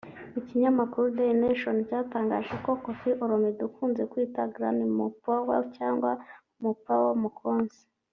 Ikinyamakuru Daily Nation cyatangaje ko Koffi Olomide ukunze kwiyita Grand Mopao cyangwa Mopao Mokonzi